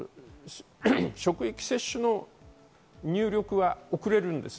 職域接種の入力は遅れるんです。